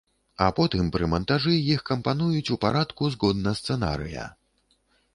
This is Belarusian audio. А потым пры мантажы іх кампануюць у парадку згодна сцэнарыя.